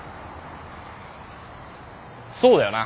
そうだよな。